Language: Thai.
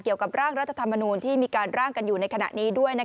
เกี่ยวกับร่างรัฐธรรมนูลที่มีการร่างกันอยู่ในขณะนี้ด้วย